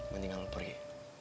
mendingan lu pergi